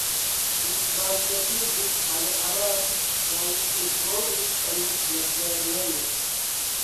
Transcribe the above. Li translokiĝis al Arad kaj instruis en mezlernejo.